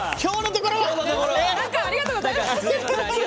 なんかありがとうございます！